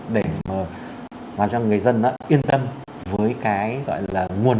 để mà làm cho người dân yên tâm với cái gọi là nguồn